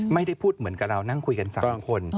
ไม่ได้พูดเหมือนกับเรานั่งคุยกัน๓คน